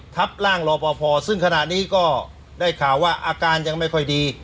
ทับร่างรอปภซึ่งขณะนี้ก็ได้ข่าวว่าอาการยังไม่ค่อยดี